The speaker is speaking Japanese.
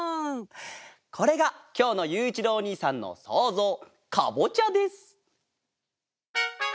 これがきょうのゆういちろうおにいさんのそうぞうかぼちゃです！